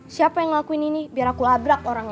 siapa yang ngelakuin ini biar aku labrak orang